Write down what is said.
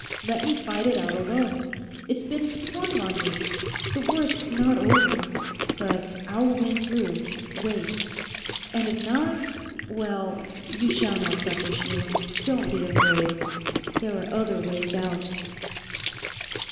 Let me fight it out alone. It's been sprung on me. The worst's not over. But I'll win through; wait! And if not—well, you shall not suffer, Sheila. Don't be afraid. There are other ways out.